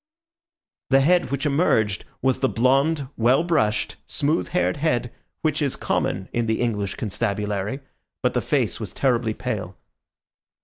The head which emerged was the blonde, well brushed, smooth haired head which is common in the English constabulary, but the face was terribly pale.